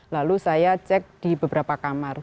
lalu saya cek di beberapa kamar